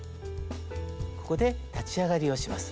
ここで立ち上がりをします。